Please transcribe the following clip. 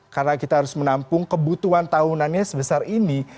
karena kita harus menampung kebutuhan tahunannya sebesar ini